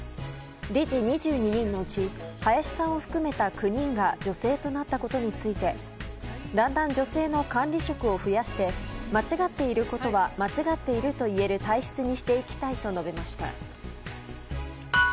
理事２２人のうち林さんを含めた９人が女性となったことについてだんだん女性の管理職を増やして間違っていることは間違っていると言える体質にしていきたいと述べました。